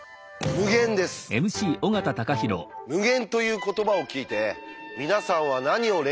無限という言葉を聞いて皆さんは何を連想するでしょうか？